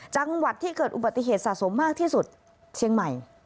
จังหวัดที่เกิดอุบัติเหตุสะสมมากที่สุดเชียงใหม่